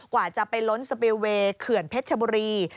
กว่าจะไปล้นสปิลเวย์เขื่อนเพชรชบุรี